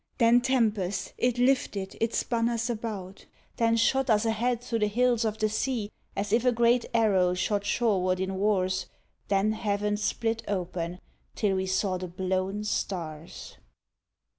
Then tempest! It lifted, it spun us about, Then shot us ahead through the hills of the sea As if a great arrow shot shoreward in wars Then heaven split open till we saw the blown stars.